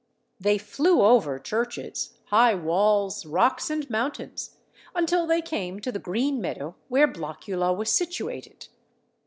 They flew over churches, high walls, rocks, and mountains, until they came to the green meadow where Blockula was situated.